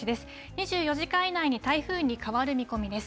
２４時間以内に台風に変わる見込みです。